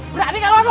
berani kalau aku